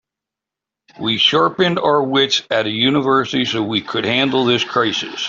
We sharpened our wits at university so we could handle this crisis.